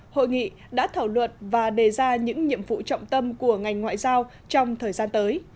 hội nghị đã thảo luận và đề ra những nhiệm vụ trọng tâm của ngành ngoại giao trong thời gian tới